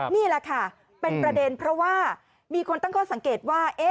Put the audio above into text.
นี่แหละค่ะเป็นประเด็นเพราะว่ามีคนตั้งข้อสังเกตว่า